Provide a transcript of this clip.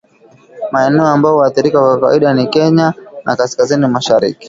Maeneo ambayo huathirika kwa kawaida ni Kenya na kaskazini mashariki